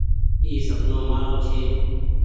او سپنو مآرو ڇي۔